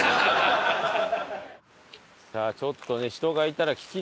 さあちょっとね。